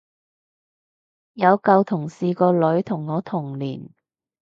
有舊同事個女同我同年